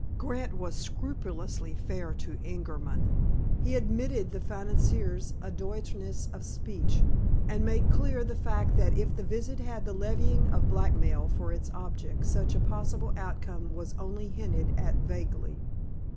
Grant was scrupulously fair to Ingerman. He admitted the "financier's" adroitness of speech, and made clear the fact that if the visit had the levying of blackmail for its object such a possible outcome was only hinted at vaguely.